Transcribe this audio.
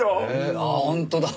あっ本当だ！